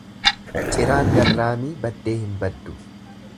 Ciraan garraamii baddee hin baddu.